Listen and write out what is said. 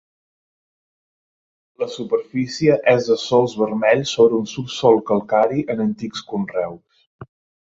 La superfície és de sòls vermells sobre un subsòl calcari en antics conreus.